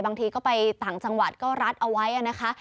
บางทีก็ไปต่างจังหวัดก็รัดเอาไว้นะคะ